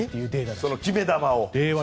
その決め球を。